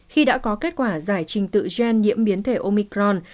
khi đã có kết quả giải trình tự gen nhiễm biến thể omicron